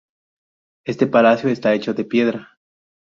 Este palacio está hecho de piedra.